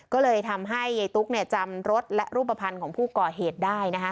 ก็เลยทำให้ยายตุ๊กจำรถและรูปภัณฑ์ของผู้ก่อเหตุได้